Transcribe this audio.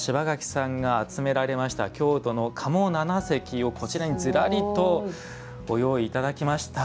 今日は柴垣さんが集められました加茂七石をこちらにずらりと用意いただきました。